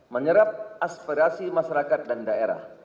menyerap aspirasi masyarakat dan daerah